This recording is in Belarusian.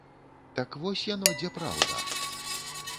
Так вось яно дзе праўда?